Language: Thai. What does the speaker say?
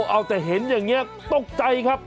เอาแต่เห็นอย่างนี้ตกใจครับ